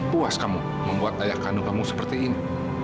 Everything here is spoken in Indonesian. puas kamu membuat ayah kandung kamu seperti ini